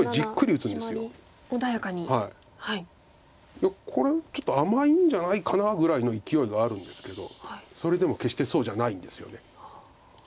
いやこれはちょっと甘いんじゃないかなぐらいのいきおいがあるんですけどそれでも決してそうじゃないんですよね。